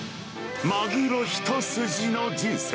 マグロ一筋の人生。